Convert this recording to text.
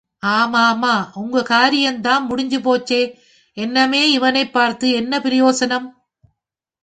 ஆமாமா ஒங்க காரியந்தான் முடிஞ்சுபோச்சே இன்னெமே இவனைப் பார்த்து என்ன பிரயோசனம்?